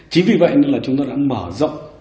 chính vì vậy là chúng tôi đã mở rộng